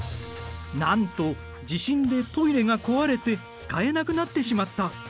なんと地震でトイレが壊れて使えなくなってしまった。